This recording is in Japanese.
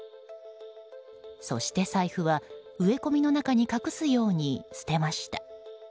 そして財布は、植え込みの中に隠すように捨てました。